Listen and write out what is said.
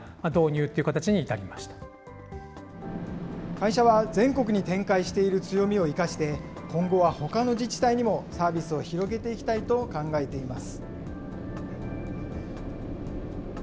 会社は全国に展開している強みを生かして、今後はほかの自治体にもサービスを広げていきたいと考えています。